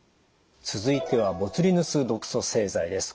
続いてはボツリヌス毒素製剤です。